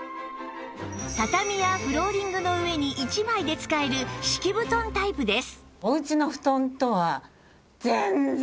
畳やフローリングの上に１枚で使える敷き布団タイプです